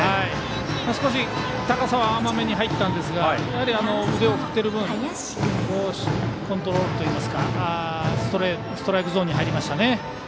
少し、高さは甘めに入ったんですが腕を振っている分コントロールといいますかストライクゾーンに入りましたね。